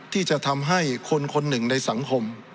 ที่จะทำให้คนคนหนึ่งในสังคม